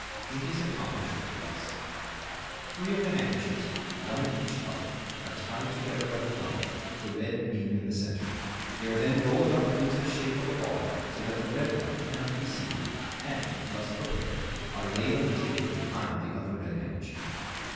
It is accomplished thus:— Three of the handkerchiefs, one of each color, are tied together by the corners, the red being in the center. They are then rolled up into the shape of a ball so that the red one cannot be seen, and, thus prepared, are laid on the table behind the other red handkerchief.